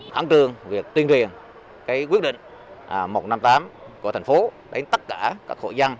khẳng trương việc tuyên truyền quyết định một trăm năm mươi tám của thành phố đến tất cả các hộ dân